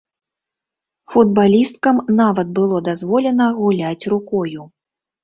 Футбалісткам нават было дазволена гуляць рукою.